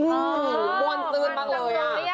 อืมป้วนซื้นบ้างเลยอะ